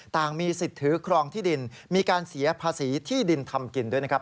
มีสิทธิ์ถือครองที่ดินมีการเสียภาษีที่ดินทำกินด้วยนะครับ